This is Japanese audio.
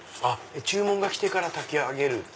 注文がきてから炊き上げる！